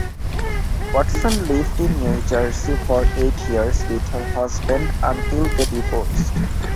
Watson lived in New Jersey for eight years with her husband until they divorced.